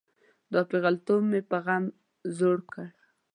دا پیغلتوب مې په غم زوړ کړه.